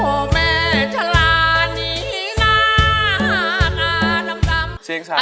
โอ้แม่ทั้งร้านนี้หน้าหน้าดำ